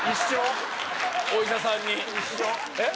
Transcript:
お医者さんにえっ？